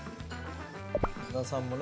矢田さんもね